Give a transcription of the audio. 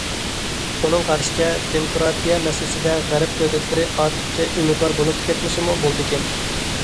ئۇنىڭ قارىشىچە، دېموكراتىيە مەسىلىسىدە غەرب دۆلەتلىرى ئارتۇقچە ئۈمىدۋار بولۇپ كەتمىسىمۇ بولىدىكەن.